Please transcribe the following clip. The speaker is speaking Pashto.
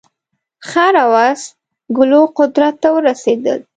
خړ او اس ګلو قدرت ته ورسېدل.